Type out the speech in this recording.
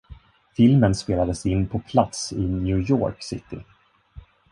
Filmen spelades in på plats i New York City.